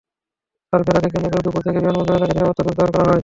তাঁর ফেরাকে কেন্দ্র করে দুপুর থেকেই বিমানবন্দর এলাকায় নিরাপত্তা জোরদার করা হয়।